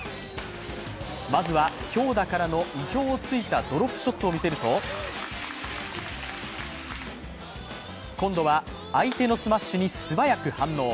まずは強打からの意表を突いたドロップショットをみせると今度は、相手のスマッシュに素早く反応。